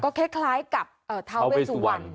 คล้ายกับทาเวสุวรรณ